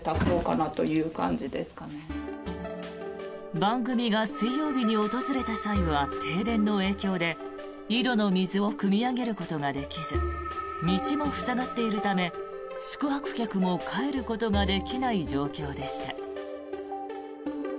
番組が水曜日に訪れた際には停電の影響で井戸の水をくみ上げることができず道も塞がっているため、宿泊客も帰ることができない状況でした。